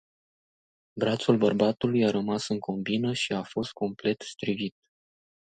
Brațul bărbatului a rămas în combină și a fost complet strivit.